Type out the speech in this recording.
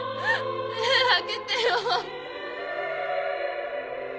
目開けてよ